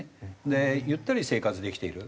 でゆったり生活できている。